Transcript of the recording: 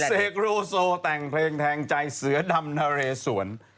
เสกโลโซแต่งเพลงแทงใจเสือดำนาเรสวน